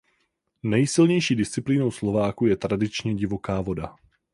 Nejsilnější disciplínou slováků je tradičně divoká voda.